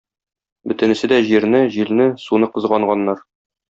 Бөтенесе дә Җирне, Җилне, Суны кызганганнар.